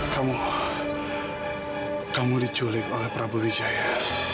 kamu kamu diculik oleh prabu wijaya